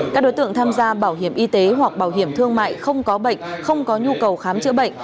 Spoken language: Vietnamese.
các đối tượng tham gia bảo hiểm y tế hoặc bảo hiểm thương mại không có bệnh không có nhu cầu khám chữa bệnh